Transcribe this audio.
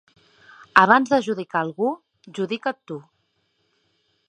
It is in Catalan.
Abans de judicar algú, judica't tu.